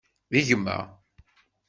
D gma.